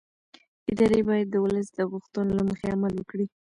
ادارې باید د ولس د غوښتنو له مخې عمل وکړي